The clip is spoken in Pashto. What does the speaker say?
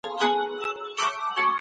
بې له کورني نظم ژوند نه کنټرولېږي.